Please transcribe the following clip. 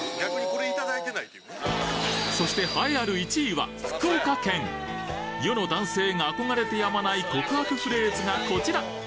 そして栄えある世の男性が憧れてやまない告白フレーズがこちら！